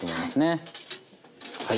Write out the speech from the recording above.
はい。